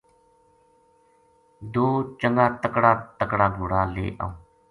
دو چنگا تکڑا تکڑا گھوڑا لے آئوں